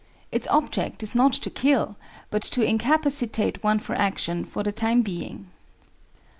Its object is not to kill, but to incapacitate one for action for the time being.